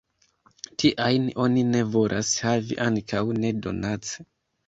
Tiajn oni ne volas havi, ankaŭ ne donace.